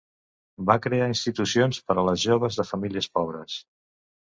Va crear institucions per a les joves de famílies pobres.